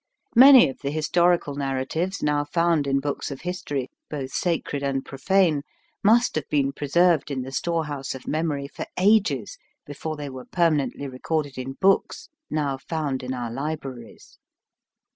Many of the historical narratives now found in books of history, both sacred and profane, must have been preserved in the storehouse of mem ory for ages before they were perma nently recorded in books now found in our libraries.